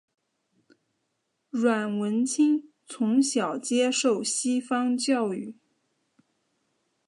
阮文清从小接受西方教育。